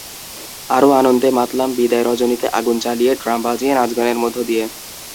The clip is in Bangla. আরও আনন্দে মাতলাম বিদায় রজনীতে আগুন জ্বালিয়ে ড্রাম বাজিয়ে নাচগানের মধ্য দিয়ে।